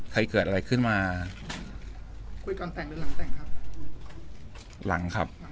ใครเกิดอะไรขึ้นมาคุยก่อนแต่งหรือหลังแต่งครับหลังครับ